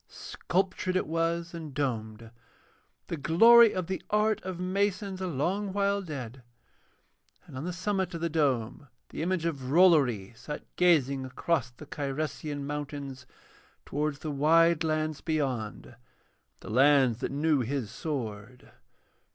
Sculptured it was and domed, the glory of the art of masons a long while dead, and on the summit of the dome the image of Rollory sat gazing across the Cyresian mountains towards the wide lands beyond, the lands that knew his sword.